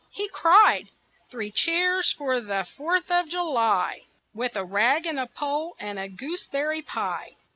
He cried: "Three cheers for the Fourth of July!" With a rag and a pole and a gooseberry pie.